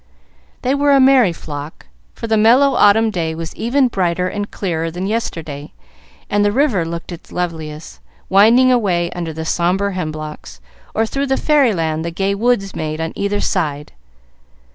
They were a merry flock, for the mellow autumn day was even brighter and clearer than yesterday, and the river looked its loveliest, winding away under the sombre hemlocks, or through the fairyland the gay woods made on either side.